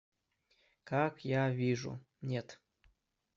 Как я вижу, нет.